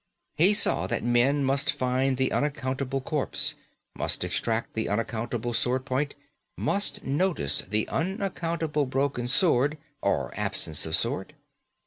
He saw that men must find the unaccountable corpse; must extract the unaccountable sword point; must notice the unaccountable broken sword or absence of sword.